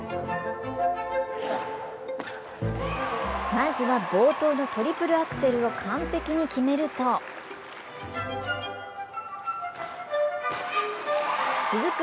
まずは冒頭のトリプルアクセルを完璧に決めると続く